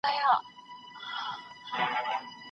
هغوی د واده لپاره جوړې او جامې واخيستې.